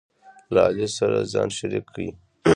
له علي سره یې ځان شریک کړ،